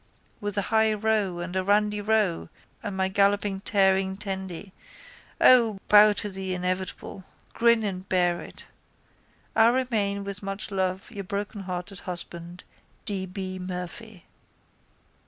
With a high ro! and a randy ro! and my galloping tearing tandy, O! Bow to the inevitable. Grin and bear it. I remain with much love your brokenhearted husband W. B. Murphy.